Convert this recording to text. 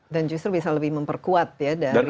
dan justru bisa lebih memperkuat ya dari struktur